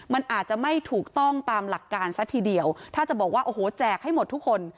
มันอาจจะไม่ถูกต้องตามหลักการซะทีเดียวถ้าจะบอกว่าโอ้โหแจกให้หมดทุกคน